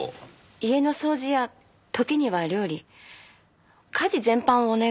家の掃除や時には料理家事全般をお願いしてました。